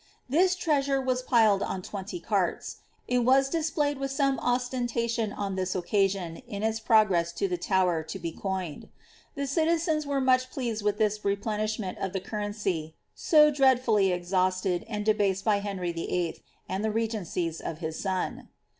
This treasure was piled on twenty carts ; it was displayed with some ostentation on this occasion, in its progress to the Tower to be coined. The citizens were much pleased with this teplenishment to the currency, so dreadfully exhausted and debased by Henry VII!. and the regencies of his son.